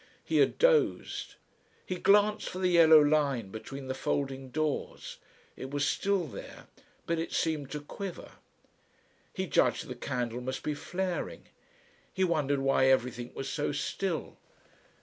He had dozed. He glanced for the yellow line between the folding doors. It was still there, but it seemed to quiver. He judged the candle must be flaring. He wondered why everything was so still.